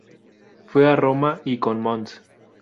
Fue a Roma y con Mons.